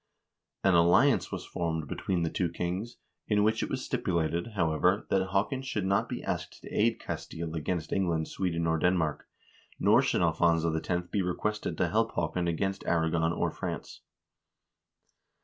An alliance was formed between the two kings, in which it was stipulated, how ever, that Haakon should not be asked to aid Castile against Eng land, Sweden, or Denmark; nor should Alfonso X. be requested to help Haakon against Aragon or France.